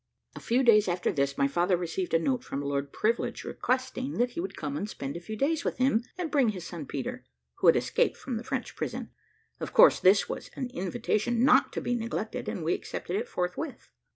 A few days after this, my father received a note from Lord Privilege requesting he would come and spend a few days with him, and bring his son Peter, who had escaped from the French prison. Of course this was an invitation not to be neglected, and we accepted it forthwith.